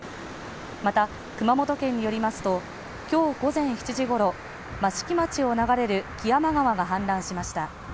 また、熊本県によりますと今日午前７時ごろ益城町を流れる木山川が氾濫しました。